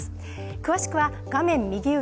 詳しくは画面右上